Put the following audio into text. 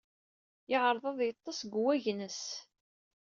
Yeɛreḍ ad yeḍḍes deg wagens.